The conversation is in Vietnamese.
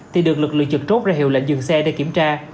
thì được lực lượng trực chốt ra hiệu lệnh dừng xe để kiểm tra